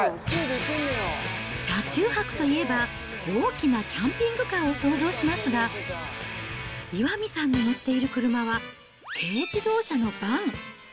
車中泊といえば、大きなキャンピングカーを想像しますが、岩見さんの乗っている車は、軽自動車のバン。